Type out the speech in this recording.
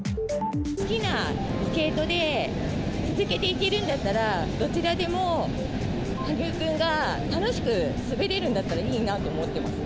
好きなスケートで、続けていけるんだったら、どちらでも、羽生君が楽しく滑れるんだったら、いいなと思ってます。